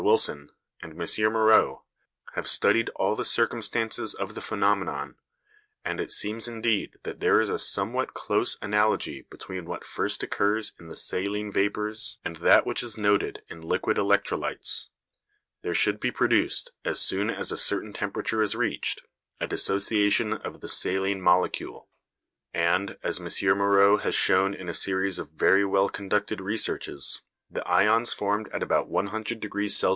Wilson, and M. Moreau, have studied all the circumstances of the phenomenon; and it seems indeed that there is a somewhat close analogy between what first occurs in the saline vapours and that which is noted in liquid electrolytes. There should be produced, as soon as a certain temperature is reached, a dissociation of the saline molecule; and, as M. Moreau has shown in a series of very well conducted researches, the ions formed at about 100°C.